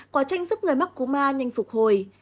quả tranh giúp người mắc cú ma nhanh phục hồi